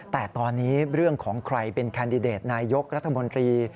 แต่ตอนนี้เรื่องของใครเป็นแคนดิเดตนายกรัฐมนตรี